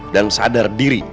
dan sadar diri